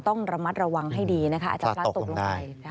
ต้องระมัดระวังให้ดีนะคะอาจจะพลัดตกลงไป